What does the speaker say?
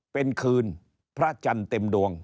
เป็นคืนพระจันทร์เต็มดวง